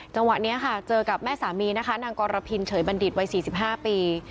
จังหวะนี้ค่ะเจอกับแม่สามีนะคะนางกรพินเฉยบัณฑิตวัย๔๕ปี